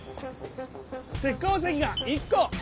鉄鉱石が１こ！